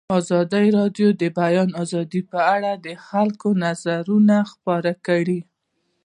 ازادي راډیو د د بیان آزادي په اړه د خلکو نظرونه خپاره کړي.